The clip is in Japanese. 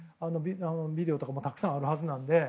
ビデオとかもたくさんあるはずなので。